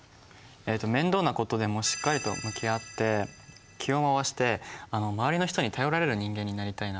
えと面倒な事でもしっかりと向き合って気をまわして周りの人に頼られる人間になりたいなと思いまして。